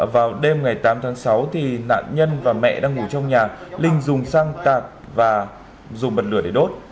vào đêm ngày tám tháng sáu nạn nhân và mẹ đang ngủ trong nhà linh dùng xăng tạt và dùng bật lửa để đốt